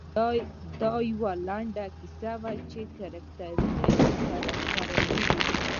دا یوه لنډه کیسه وه چې کرکټرونه یې فرعي دي.